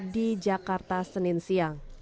di jakarta senin siang